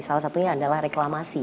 salah satunya adalah reklamasi